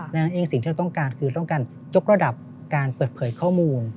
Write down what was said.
เองสิ่งที่เราต้องการคือต้องการยกระดับการเปิดเผยข้อมูล